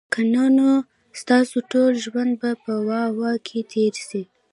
که نه نو ستاسو ټول ژوند به په "واه، واه" کي تیر سي